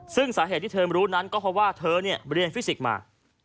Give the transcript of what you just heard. ซึ่งสาเหตุที่เธอไม่รู้นั้นก็เพราะว่าเธอเรียนฟิสิกส์มา